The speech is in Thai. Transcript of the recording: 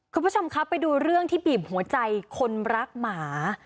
คุณผู้ชมครับไปดูเรื่องที่บีบหัวใจคนรักหมา